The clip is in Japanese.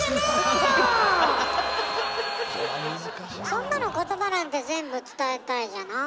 そんなの言葉なんて全部伝えたいじゃない。